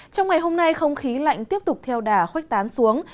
trong ngày hôm nay không khí lạnh tiếp tục theo đà khuếch tán xuống